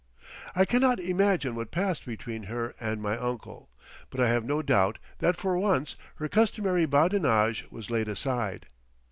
I cannot imagine what passed between her and my uncle. But I have no doubt that for once her customary badinage was laid aside.